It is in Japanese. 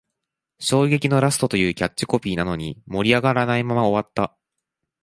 衝撃のラストというキャッチコピーなのに、盛り上がらないまま終わった